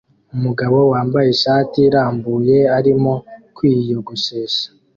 Umugabo wambaye ishati irambuye arimo kwiyogoshesha